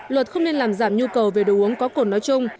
luật không nên làm giảm nhu cầu về đồ uống có cồn nói chung